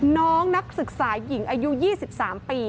น้องนักศึกษาหญิงอายุ๒๓ปี